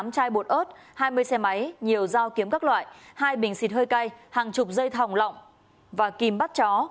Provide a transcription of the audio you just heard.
tám chai bột ớt hai mươi xe máy nhiều dao kiếm các loại hai bình xịt hơi cay hàng chục dây thòng lọng và kìm bát chó